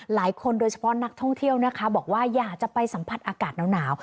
โดยเฉพาะนักท่องเที่ยวนะคะบอกว่าอยากจะไปสัมผัสอากาศหนาว